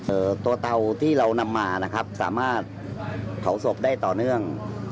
ตัวเตาที่เรานำมานะครับสามารถเผาศพได้ต่อเนื่อง